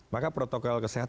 maka protokol kesehatan